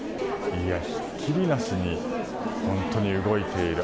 ひっきりなしに本当に動いている。